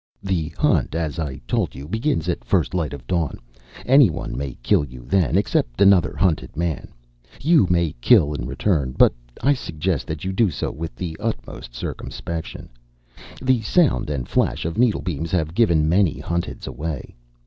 "The Hunt, as I told you, begins at first light of dawn. Anyone may kill you then, except another Hunted man. You may kill in return. But I suggest that you do so with the utmost circumspection. The sound and flash of needlebeams have given many Hunteds away.